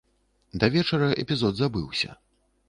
Да вечара эпізод забыўся.